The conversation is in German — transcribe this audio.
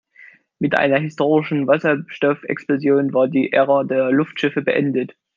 Mit einer historischen Wasserstoffexplosion war die Ära der Luftschiffe beendet.